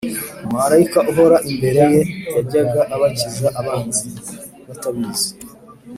Malayika uhora imbere ye yajyaga abakiza abanzi batabizi